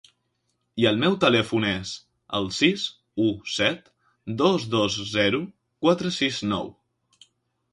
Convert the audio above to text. I el meu telèfon és el sis u set dos dos zero quatre sis nou.